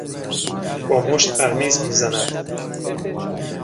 با مشت بر میز میزند.